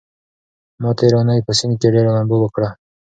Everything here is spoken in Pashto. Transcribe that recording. ما تېره اونۍ په سيند کې ډېره لامبو وکړه.